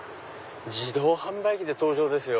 自動販売機で登場ですよ。